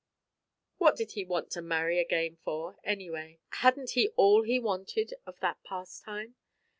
What did he want to marry again for, anyway? Hadn't he had all he wanted of that pastime?